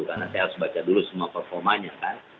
karena saya harus baca dulu semua performanya kan